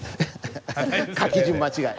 書き順間違え！